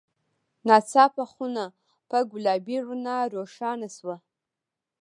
ناڅاپه خونه په ګلابي رڼا روښانه شوه.